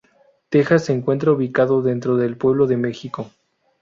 Texas se encuentra ubicada dentro del pueblo de Mexico.